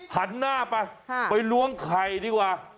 หันหน้าไปไปล้วงไข่ดีกว่า